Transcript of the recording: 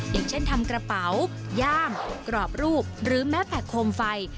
อย่างเช่นทำกระเป๋าย่างกรอบรูปหรือแม้แต่โคมไฟ